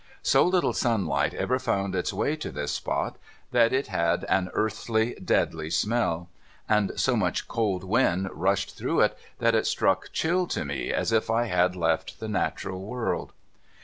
So little sunlight ever found its way to this spot, that it had an earthy, deadly smell ; and so much cold wind rushed through it, that it struck chill to me, as if I had left the natural world.